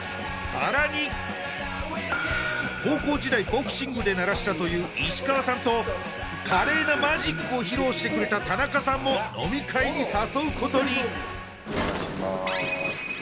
さらに高校時代ボクシングでならしたという石川さんと華麗なマジックを披露してくれた田中さんも飲み会に誘うことに失礼します